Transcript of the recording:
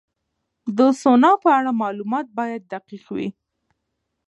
د سونا په اړه معلومات باید دقیق وي.